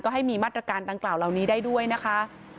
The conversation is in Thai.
ก็ให้มีมาตรการต่างเหล่านี้ได้ด้วยนะคะ